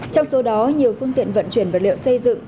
trong số đó nhiều phương tiện vận chuyển vật liệu xây dựng